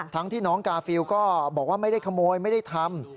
ที่น้องกาฟิลก็บอกว่าไม่ได้ขโมยไม่ได้ทำ